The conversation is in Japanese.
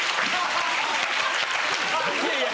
いやいや。